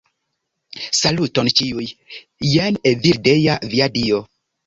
Saluton ĉiuj, jen Evildea, via dio.